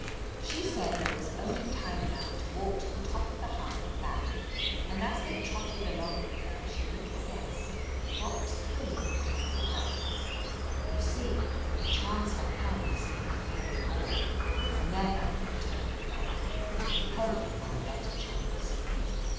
She said there was only time now to walk to the top of the Hump and back, and as they trotted along with her she little guessed what was thrilling their little breasts. You see the chance had come of seeing a fairy ball. Never, Tony felt, could he hope for a better chance.